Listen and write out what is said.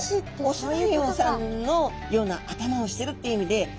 雄ライオンさんのような頭をしてるっていう意味で。